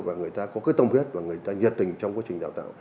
và người ta có cái tâm huyết và người ta nhiệt tình trong quá trình đào tạo